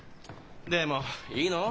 でもいいの？